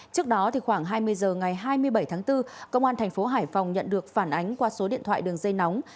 trước đó khoảng hai mươi h ngày hai mươi bảy tháng bốn công an thành phố hải phòng nhận được phản ánh qua số điện thoại đường dây nóng